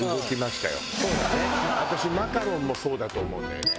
私マカロンもそうだと思うんだよね。